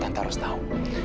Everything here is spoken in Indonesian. tante harus tahu